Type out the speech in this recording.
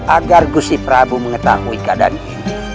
agar gusiprabu mengetahui keadaan ini